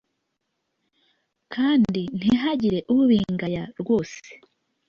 kandi ntihagire ubingaya rwose